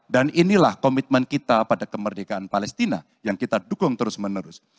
dan inilah komitmen kita pada kemerdekaan palestina yang kita dukung terus menerus